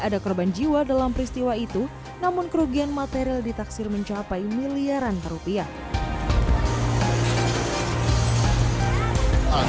ada korban jiwa dalam peristiwa itu namun kerugian material ditaksir mencapai miliaran rupiah